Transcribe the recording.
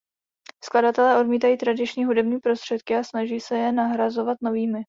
Skladatelé odmítají tradiční hudební prostředky a snaží se je nahrazovat novými.